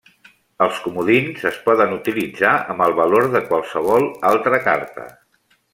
Els comodins es poden utilitzar amb el valor de qualsevol altra carta.